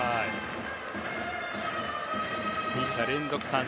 ２者連続三振。